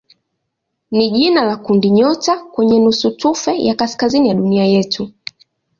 ni jina la kundinyota kwenye nusutufe ya kaskazini ya dunia yetu.